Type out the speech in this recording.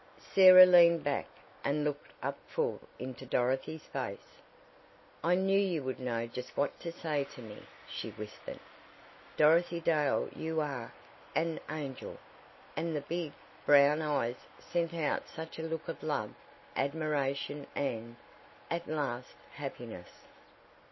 Sarah leaned back, and looked up full into Dorothy's face. "I knew you would know just what to say to me;" she whispered. "Dorothy Dale you are an angel," and the big, brown eyes sent out such a look of love, admiration and, at last happiness.